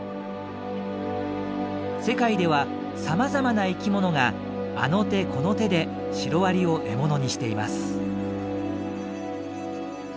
世界ではさまざまな生きものがあの手この手でシロアリを獲物にしています。